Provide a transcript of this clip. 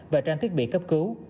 và trang thiết bị cấp cứu